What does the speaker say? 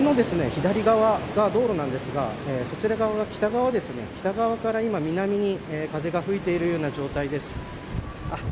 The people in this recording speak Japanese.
左側が道路なんですがそちら側が北側でして北から今、南に風が吹いているような状態です。